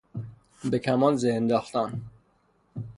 به کمان زه انداختن